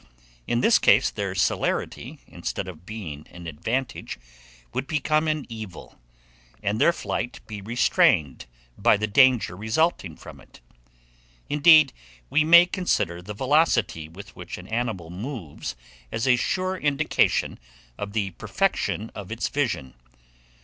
In this case their celerity, instead of being an advantage, would become an evil, and their flight be restrained by the danger resulting from it. Indeed we may consider the velocity with which an animal moves, as a sure indication of the perfection of its vision.